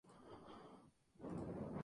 Había nacido Canada Dry Ginger Ale, Inc.